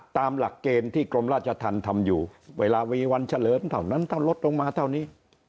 ตามหลักเกณฑ์ที่กรมราชธรรมทำอยู่เวลามีวันเฉลิมเท่านั้นถ้าลดลงมาเท่านี้